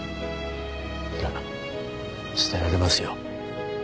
そりゃ捨てられますよ。